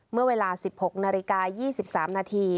เมื่อเวลา๑๖น๒๓น